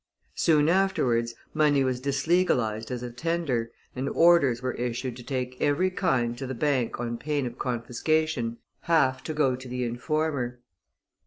Soon afterwards money was dislegalized as a tender, and orders were issued to take every kind to the Bank on pain of confiscation, half to go to the informer.